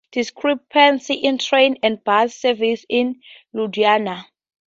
This bandh also caused discrepancies in train and bus services in Ludhiana.